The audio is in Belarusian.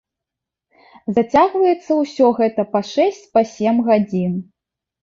Зацягваецца ўсё гэта па шэсць, па сем гадзін.